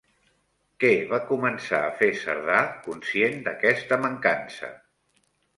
Què va començar a fer Cerdà conscient d'aquesta mancança?